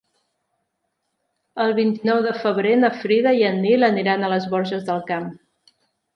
El vint-i-nou de febrer na Frida i en Nil aniran a les Borges del Camp.